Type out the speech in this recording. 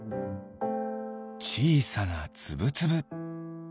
ちいさなつぶつぶ。